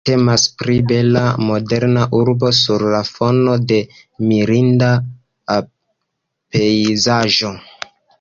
Temas pri bela, moderna urbo sur la fono de mirinda pejzaĝo.